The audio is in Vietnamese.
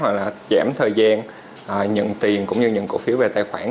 hoặc là giảm thời gian nhận tiền cũng như những cổ phiếu về tài khoản